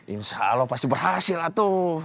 insya allah pasti berhasil atuh